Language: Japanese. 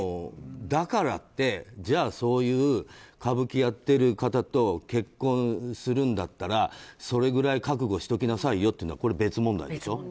だからって、じゃあそういう歌舞伎やってる方と結婚するんだったらそれぐらい覚悟しときなさいよっていうのはこれ別問題でしょ。